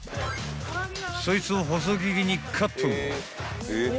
［そいつを細切りにカット］